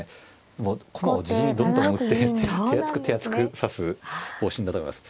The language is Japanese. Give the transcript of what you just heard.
もう駒を自陣にどんどん打って手厚く手厚く指す方針だと思います。